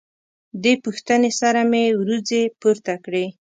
دې پوښتنې سره مې وروځې پورته کړې.